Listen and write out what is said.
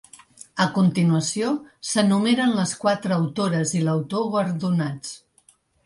A continuació s’enumeren les quatre autores i l’autor guardonats.